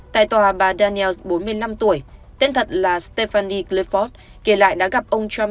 tại tòa bà daniels bốn mươi năm tuổi tên thật là stephanie clifford kể lại đã gặp ông trump